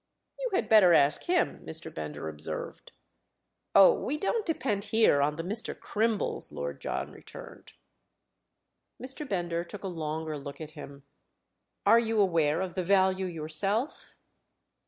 "You had better ask him," Mr. Bender observed. "Oh, we don't depend here on the Mr. Crimbles!" Lord John returned. Mr. Bender took a longer look at him. "Are you aware of the value yourself?"